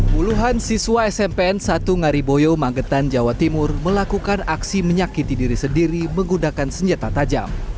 puluhan siswa smpn satu ngariboyo magetan jawa timur melakukan aksi menyakiti diri sendiri menggunakan senjata tajam